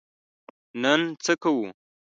نن څه کوو؟